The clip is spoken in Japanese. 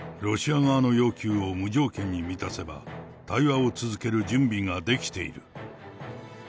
ロシア側の要求を無条件に満たせば、対話を続ける準備ができている。